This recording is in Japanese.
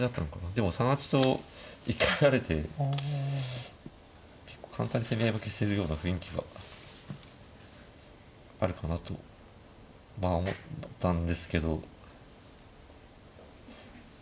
でも３八と一回入られて結構簡単に攻め合い負けしてるような雰囲気があるかなとまあ思ったんですけど。